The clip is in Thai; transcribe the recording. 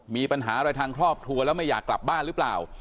มีปัญหาอะไรทางครอบครัวแล้วไม่อยากกลับบ้านหรือเปล่า